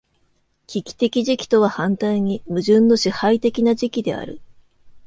危機的時期とは反対に矛盾の支配的な時期である。